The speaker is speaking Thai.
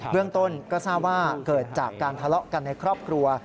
เรื่องต้นก็ทราบว่าเกิดจากการทะเลาะกันในครอบครัว